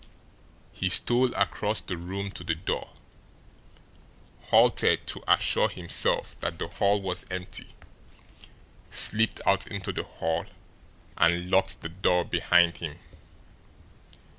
He stole across the room to the door, halted to assure himself that the hall was empty, slipped out into the hall, and locked the door behind him.